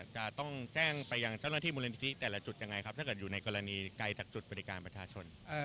จะต้องแจ้งไปยังเจ้าหน้าที่มูลนิธิแต่ละจุดยังไงครับถ้าเกิดอยู่ในกรณีไกลจากจุดบริการประชาชน